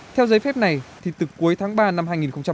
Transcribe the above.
theo giấy phép này thì từ cuối tháng ba năm hai nghìn hai mươi